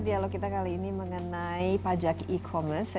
dialog kita kali ini mengenai pajak e commerce